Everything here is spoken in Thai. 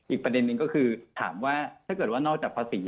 อีกประเด็นนึงก็คือถามว่าถ้าเกิดว่านอกจากภาษี